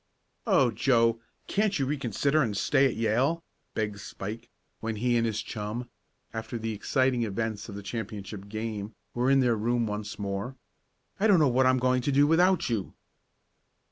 "Oh, Joe, can't you reconsider, and stay at Yale?" begged Spike, when he and his chum, after the exciting events of the championship game, were in their room once more. "I don't know what I'm going to do without you."